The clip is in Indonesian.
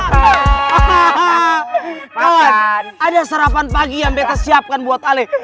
kawan ada sarapan pagi yang saya siapkan buat ale